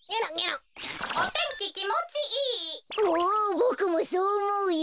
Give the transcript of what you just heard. ボクもそうおもうよ！